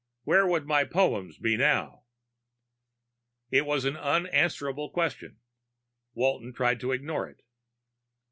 Where would my poems be now?" It was an unanswerable question; Walton tried to ignore it.